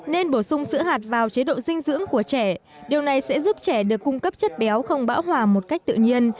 nên bổ sung sữa hạt vào chế độ dinh dưỡng của trẻ điều này sẽ giúp trẻ được cung cấp chất béo không bão hòa một cách tự nhiên